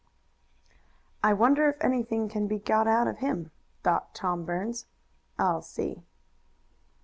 "I wonder if anything can be got out of him," thought Tom Burns. "I'll see."